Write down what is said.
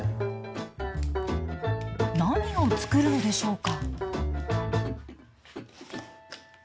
何を作るのでしょうか？